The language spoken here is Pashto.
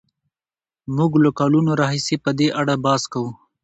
موږ له کلونو راهیسې په دې اړه بحث کوو.